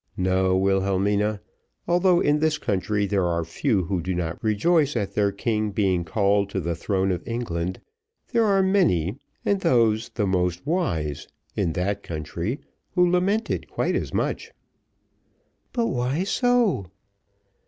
No, Wilhelmina; although, in this country there are few who do not rejoice at their king being called to the throne of England, there are many, and those the most wise, in that country, who lament it quite as much." "But why so?"